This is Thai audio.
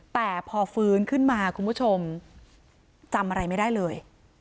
แต่พอฟื้นขึ้นมาคุณผู้ชมจำอะไรไม่ได้เลย